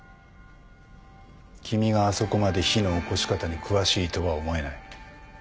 君があそこまで火のおこし方に詳しいとは思えない。